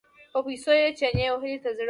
په پیسو یې چنې وهلو ته زړه و.